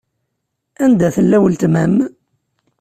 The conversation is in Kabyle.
Anda tella weltma-m?